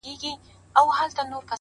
زه به غمو ته شاعري كومه”